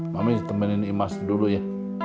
mami temenin imas dulu ya